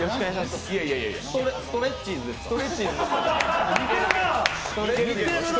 ストレッチーズですか？